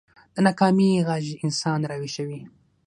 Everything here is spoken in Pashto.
د ناکامۍ غږ انسان راويښوي